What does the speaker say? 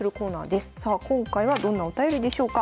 さあ今回はどんなお便りでしょうか。